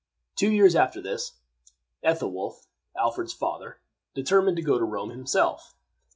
Two years after this, Ethelwolf, Alfred's father, determined to go to Rome himself.